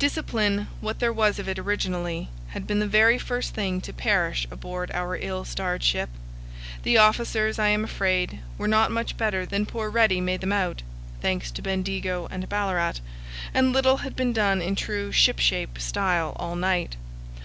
Discipline, what there was of it originally, had been the very first thing to perish aboard our ill starred ship; the officers, I am afraid, were not much better than poor Ready made them out (thanks to Bendigo and Ballarat), and little had been done in true ship shape style all night.